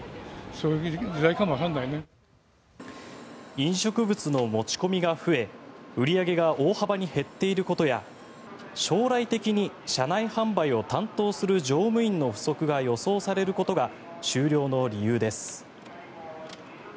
飲食物の持ち込みが増え売り上げが大幅に減っていることや将来的に車内販売を担当する乗務員の不足が予想されることが終了の理由です。